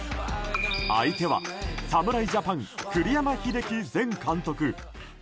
相手は侍ジャパン栗山英樹前監督。